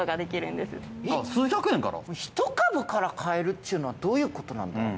１株から買えるっちゅうのはどういうことなんだ？